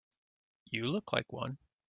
You look like one.